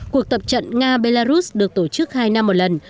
cuộc tập trận nga belarus được tổ chức hai năm một lần